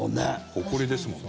ほこりですもんね。